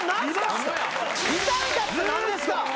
「いたんか」って何ですか？